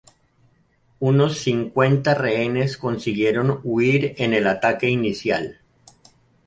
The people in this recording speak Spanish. Unos cincuenta rehenes consiguieron huir en el ataque inicial.